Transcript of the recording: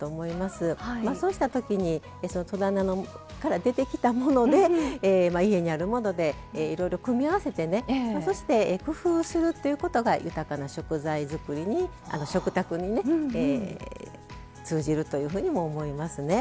そうしたときに戸棚から出てきたもので家にあるものでいろいろ組み合わせてねそして工夫するということが豊かな食材作りに食卓にね通じるというふうにも思いますね。